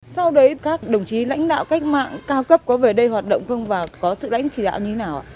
sau đấy các đồng chí lãnh đạo cách mạng cao cấp có về đây hoạt động không và có sự lãnh đạo như thế nào ạ